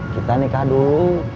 kita nikah dulu